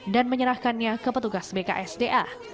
dan menyerahkannya ke petugas bksda